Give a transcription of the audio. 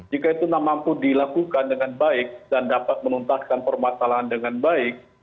jika itu mampu dilakukan dengan baik dan dapat menuntaskan permasalahan dengan baik